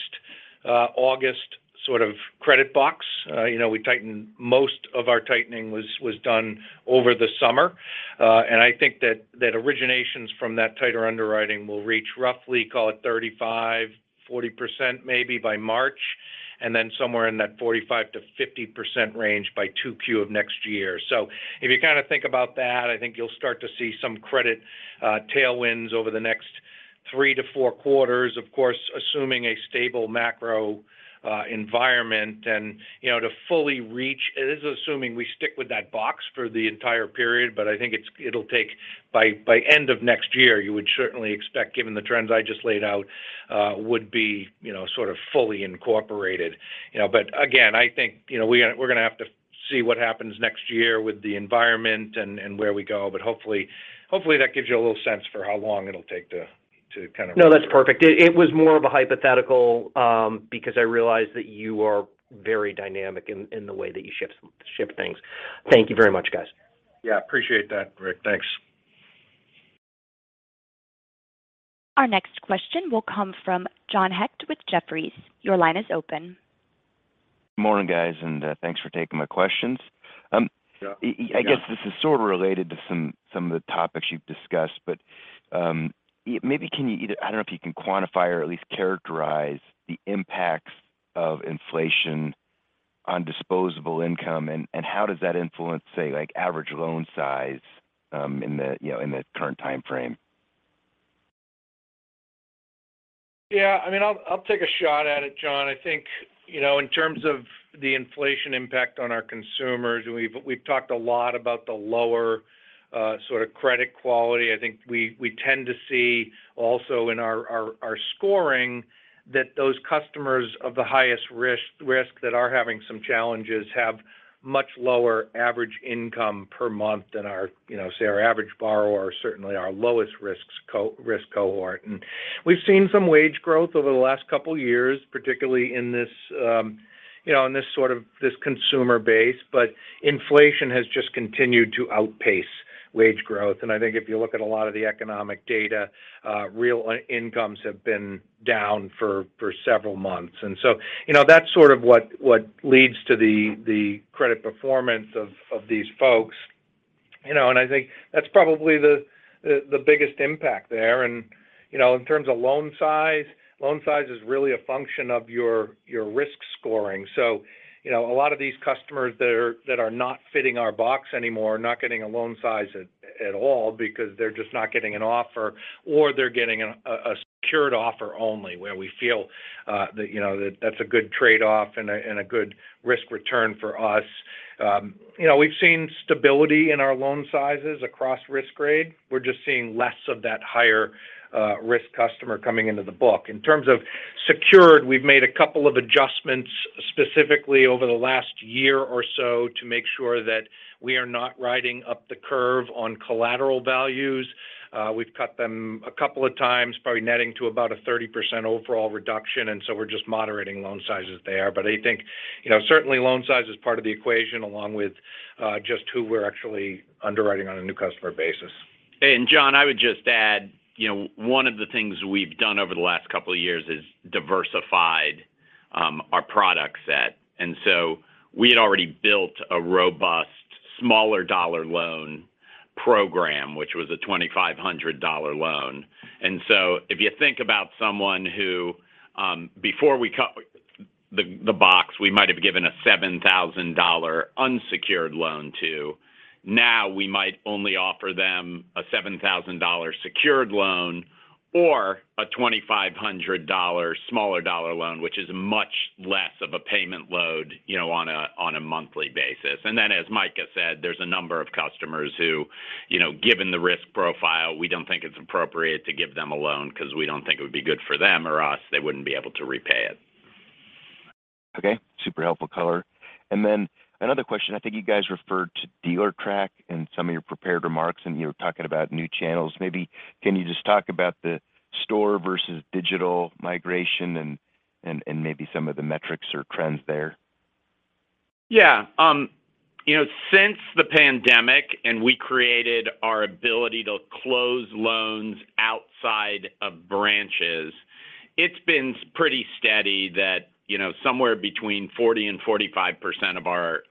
D: August sort of credit box. You know, we tightened most of our tightening was done over the summer. And I think that originations from that tighter underwriting will reach roughly, call it 35%-40% maybe by March, and then somewhere in that 45%-50% range by 2Q of next year. If you kind of think about that, I think you'll start to see some credit uh tailwinds over the next three to four quarters, of course, assuming a stable macro uh environment. You know, to fully reach it is assuming we stick with that box for the entire period, but I think it'll take by end of next year. You would certainly expect, given the trends I just laid out, uh would be you know sort of fully incorporated, you know. But again, I think, you know, we're gonna have to see what happens next year with the environment and where we go. Hopefully that gives you a little sense for how long it'll take to kind of
I: No, that's perfect. It was more of a hypothetical, because I realize that you are very dynamic in the way that you ship things. Thank you very much, guys.
D: Yeah, appreciate that, Rick. Thanks.
A: Our next question will come from John Hecht with Jefferies. Your line is open.
J: Morning, guys, and thanks for taking my questions.
D: Yeah.
J: I guess this is sort of related to some of the topics you've discussed, but maybe I don't know if you can quantify or at least characterize the impacts of inflation on disposable income and how does that influence, say, like average loan size, you know, in the current timeframe?
D: Yeah. I mean, I'll take a shot at it, John. I think, you know, in terms of the inflation impact on our consumers, we've talked a lot about the lower sort of credit quality. I think we tend to see also in our scoring that those customers of the highest risk that are having some challenges have much lower average income per month than our, you know, say our average borrower or certainly our lowest risk core risk cohort. We've seen some wage growth over the last couple of years, particularly in this, you know, in this sort of consumer base. Inflation has just continued to outpace wage growth. I think if you look at a lot of the economic data, real incomes have been down for several months. You know, that's sort of what leads to the credit performance of these folks. You know, I think that's probably the biggest impact there. You know, in terms of loan size, loan size is really a function of your risk scoring. You know, a lot of these customers that are not fitting our box anymore are not getting a loan size at all because they're just not getting an offer or they're getting a secured offer only where we feel that you know that that's a good trade-off and a good risk return for us. You know, we've seen stability in our loan sizes across risk grade. We're just seeing less of that higher risk customer coming into the book. In terms of secured, we've made a couple of adjustments specifically over the last year or so to make sure that we are not riding up the curve on collateral values. We've cut them a couple of times, probably netting to about a 30% overall reduction, and so we're just moderating loan sizes there. I think, you know, certainly loan size is part of the equation along with just who we're actually underwriting on a new customer basis.
C: John, I would just add, you know, one of the things we've done over the last couple of years is diversified our product set. We had already built a robust smaller dollar loan program, which was a $2,500 loan. If you think about someone who, um before we cut the box, we might have given a $7,000 unsecured loan to. Now we might only offer them a $7,000 secured loan or a $2,500 smaller dollar loan, which is much less of a payment load, you know, on a monthly basis. As Micah said, there's a number of customers who, you know, given the risk profile, we don't think it's appropriate to give them a loan cause we don't think it would be good for them or us. They wouldn't be able to repay it.
J: Okay. Super helpful color. Another question. I think you guys referred to Dealertrack in some of your prepared remarks, and you were talking about new channels. Maybe can you just talk about the store versus digital migration and maybe some of the metrics or trends there?
C: Yeah. You know, since the pandemic, and we created our ability to close loans outside of branches, it's been pretty steady that, you know, somewhere between 40%-45% of our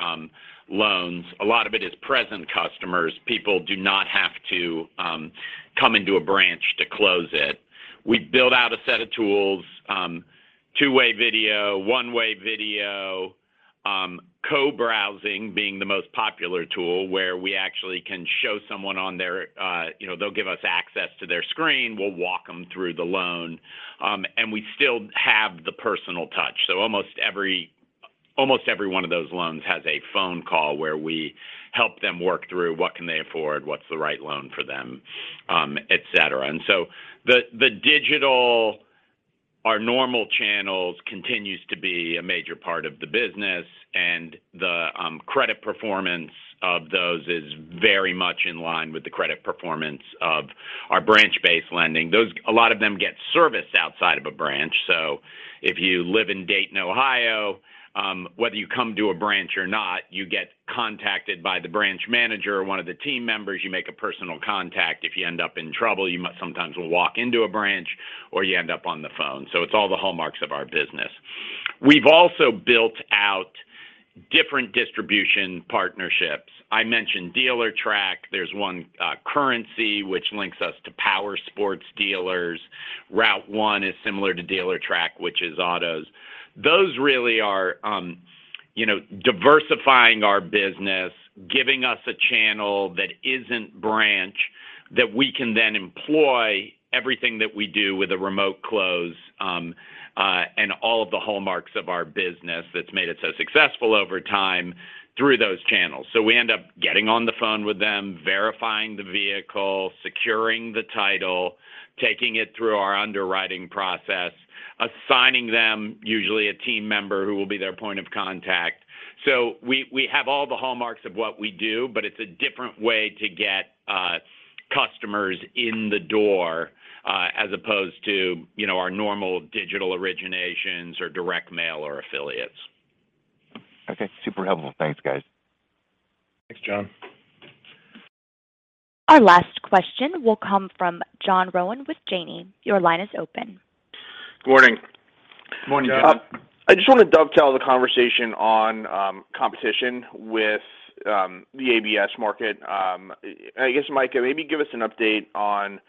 C: loans, a lot of it is present customers. People do not have to come into a branch to close it. We build out a set of tools, two-way video, one-way video, co-browsing being the most popular tool where we actually can show someone on their, you know. They'll give us access to their screen. We'll walk them through the loan. And we still have the personal touch. Almost every one of those loans has a phone call where we help them work through what can they afford, what's the right loan for them, etc. The digital, our normal channels continues to be a major part of the business, and the credit performance of those is very much in line with the credit performance of our branch-based lending. Those. A lot of them get serviced outside of a branch. If you live in Dayton, Ohio, whether you come to a branch or not, you get contacted by the branch manager or one of the team members. You make a personal contact. If you end up in trouble, you might sometimes will walk into a branch or you end up on the phone. It's all the hallmarks of our business. We've also built out different distribution partnerships. I mentioned Dealertrack, there's one currency which links us to power sports dealers. RouteOne is similar to Dealertrack, which is autos. Those really are um you know, diversifying our business, giving us a channel that isn't branch, that we can then employ everything that we do with a remote close, um uh and all of the hallmarks of our business that's made it so successful over time through those channels. So we end up getting on the phone with them, verifying the vehicle, securing the title, taking it through our underwriting process, assigning them usually a team member who will be their point of contact. So we have all the hallmarks of what we do, but it's a different way to get customers in the door, as opposed to, you know, our normal digital originations or direct mail or affiliates.
J: Okay. Super helpful. Thanks, guys.
D: Thanks, John.
A: Our last question will come from John Rowan with Janney. Your line is open.
K: Good morning.
D: Good morning, John.
K: I just wanna dovetail the conversation on competition with the ABS market. I guess, Micah, maybe give us an update on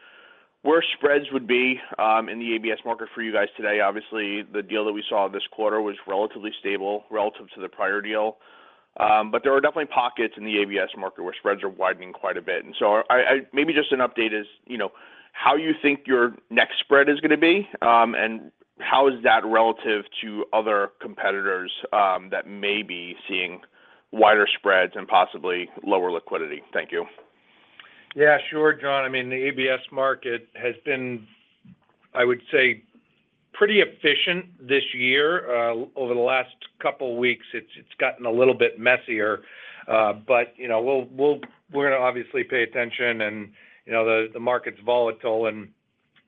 K: where spreads would be in the ABS market for you guys today. Obviously, the deal that we saw this quarter was relatively stable relative to the prior deal. There are definitely pockets in the ABS market where spreads are widening quite a bit. Maybe just an update as, you know, how you think your next spread is gonna be, and how is that relative to other competitors that may be seeing wider spreads and possibly lower liquidity. Thank you.
D: Yeah, sure, John. I mean, the ABS market has been, I would say, pretty efficient this year. Over the last couple weeks, it's gotten a little bit messier. Uh but you know, we're gonna obviously pay attention and, you know, the market's volatile and,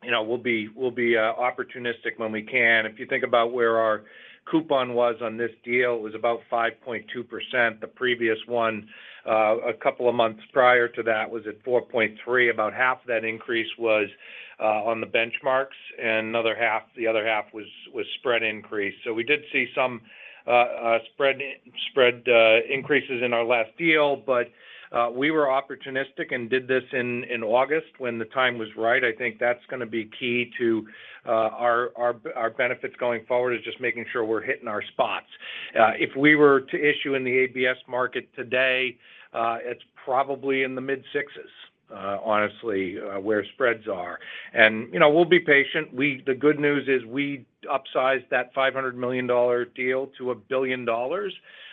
D: you know, we'll be opportunistic when we can. If you think about where our coupon was on this deal, it was about 5.2%. The previous one, a couple of months prior to that was at 4.3%. About half that increase was on the benchmarks, and the other half was spread increase. We did see some spread increases in our last deal, but uh we were opportunistic and did this in August when the time was right. I think that's gonna be key to uh our benefits going forward, is just making sure we're hitting our spots. If we were to issue in the ABS market today, uh it's probably in the mid sixes, uh honestly, where spreads are. You know, we'll be patient. The good news is we upsized that $500 million deal to $1 billion,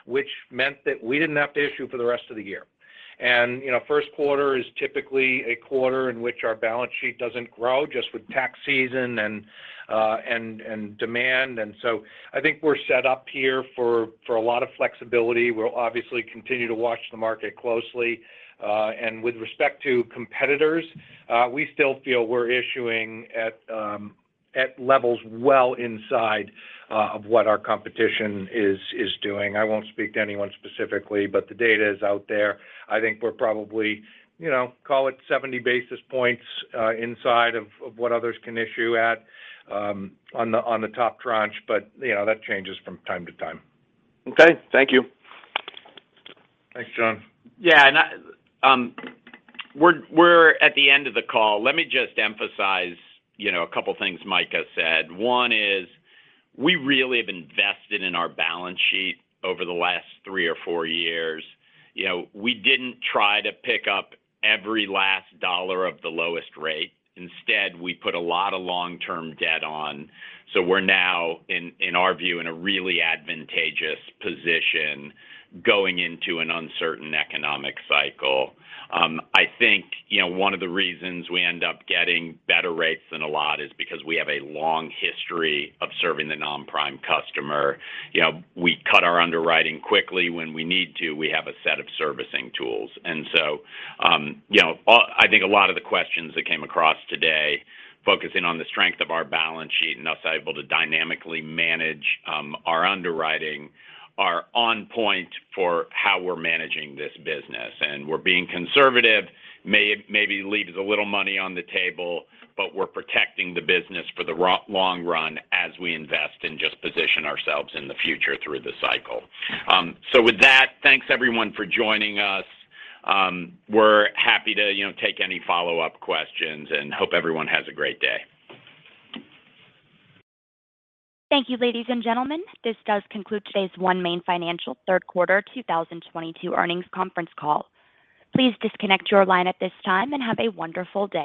D: which meant that we didn't have to issue for the rest of the year. And you know, first quarter is typically a quarter in which our balance sheet doesn't grow just with tax season and uh demand. And so I think we're set up here for a lot of flexibility. We'll obviously continue to watch the market closely. With respect to competitors, we still feel we're issuing at um levels well inside of what our competition is doing. I won't speak to anyone specifically, but the data is out there. I think we're probably, you know, call it 70 basis points inside of what others can issue at on the top tranche. But you know, that changes from time to time.
K: Okay, thank you.
D: Thanks, John.
C: We're at the end of the call. Let me just emphasize, you know, a couple things Micah said. One is we really have invested in our balance sheet over the last three or four years. You know, we didn't try to pick up every last dollar of the lowest rate. Instead, we put a lot of long-term debt on, so we're now in our view in a really advantageous position going into an uncertain economic cycle. Um I think, you know, one of the reasons we end up getting better rates than a lot is because we have a long history of serving the non-prime customer. You know, we cut our underwriting quickly when we need to. We have a set of servicing tools. You know, I think a lot of the questions that came across today focusing on the strength of our balance sheet and us able to dynamically manage our underwriting are on point for how we're managing this business. We're being conservative, maybe leaves a little money on the table, but we're protecting the business for the long run as we invest and just position ourselves in the future through the cycle. With that, thanks everyone for joining us. We're happy to, you know, take any follow-up questions and hope everyone has a great day.
A: Thank you, ladies and gentlemen. This does conclude today's OneMain Financial Third Quarter 2022 Earnings Conference Call. Please disconnect your line at this time and have a wonderful day.